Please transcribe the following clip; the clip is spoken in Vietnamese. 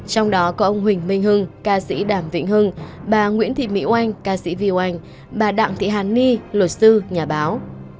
trong đó có ông huỳnh minh hưng ca sĩ đàm vĩnh hưng bà nguyễn thị mỹ oanh ca sĩ viu anh bà đặng thị hàn ni luật sư nhà báo